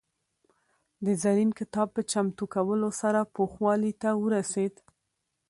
د زرین کتاب په چمتو کولو سره پوخوالي ته ورسېد.